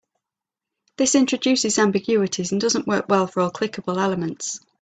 This introduces ambiguities and doesn't work well for all clickable elements.